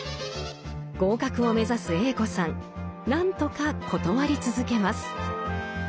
合格を目指すＡ子さん何とか断り続けます。